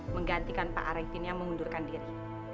menggantikan pak arifin yang mengundurkan diri